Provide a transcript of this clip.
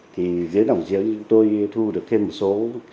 thì dưới đồng giếng tôi thu được thêm một số